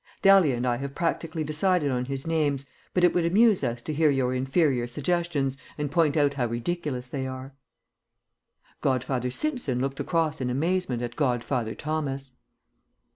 Dahlia and I have practically decided on his names, but it would amuse us to hear your inferior suggestions and point out how ridiculous they are." Godfather Simpson looked across in amazement at Godfather Thomas.